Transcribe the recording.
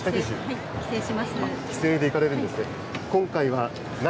帰省で行かれるんですね。